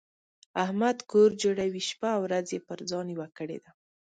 احمد کور جوړوي؛ شپه او ورځ يې پر ځان یوه کړې ده.